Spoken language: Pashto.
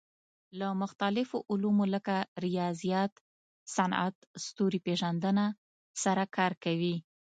له مختلفو علومو لکه ریاضیات، صنعت، ستوري پېژندنه سره کار کوي.